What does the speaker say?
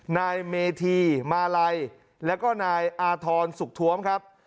นายเมธีมาลัยแล้วก็นายอาธรณ์สุขท้วมครับ